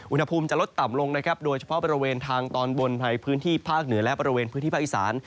อุณหภูมิจะลดต่ำลงนะครับโดยเฉพาะบริเวณทางตอนบนในพื้นที่ภาคเหนือและบริเวณพื้นที่ภาคอีสาน